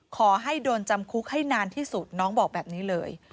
ขอให้โดนจำคุกให้นานที่สุดน้องบอกแบบนี้เลย